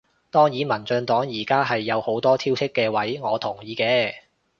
當然民進黨而家係有好多挑剔嘅位，我同意嘅